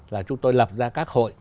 và chúng tôi lập ra các hội